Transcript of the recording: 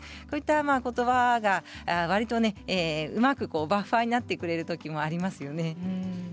こういったことばがわりとうまくバッファーになってくれるときがありますよね。